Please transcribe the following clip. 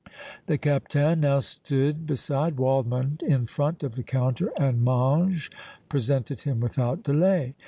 The Captain now stood beside Waldmann in front of the counter and Mange presented him without delay.